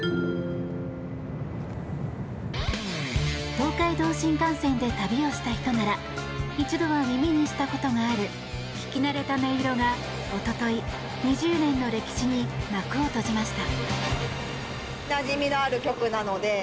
東海道新幹線で旅をした人なら一度は耳にしたことがある聞き慣れた音色が一昨日２０年の歴史に幕を閉じました。